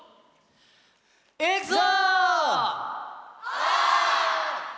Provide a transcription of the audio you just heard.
いくぞ！